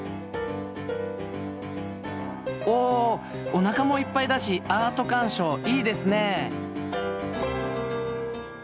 おおなかもいっぱいだしアート鑑賞いいですね。